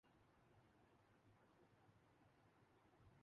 triple century بن کا اعزاز صرف